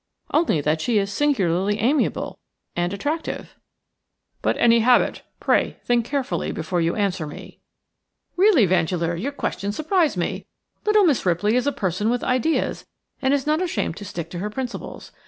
"Only that she is singularly amiable and attractive." "But any habit – pray think carefully before you answer me." "Really, Vandeleur, your questions surprise me. Little Miss Ripley is a person with ideas and is not ashamed to stick to her principles.